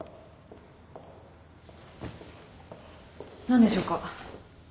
何でしょうか？